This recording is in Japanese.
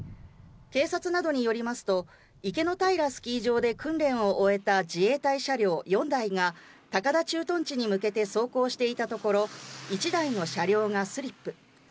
警察などによりますと、池の平スキー場で訓練を終えた自衛隊車両４台が高田駐屯地に向けて走行していたところ、１台の車両がスリップ。